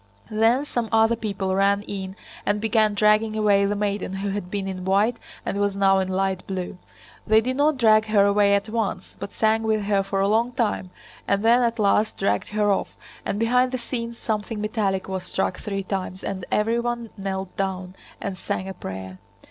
Then some other people ran in and began dragging away the maiden who had been in white and was now in light blue. They did not drag her away at once, but sang with her for a long time and then at last dragged her off, and behind the scenes something metallic was struck three times and everyone knelt down and sang a prayer.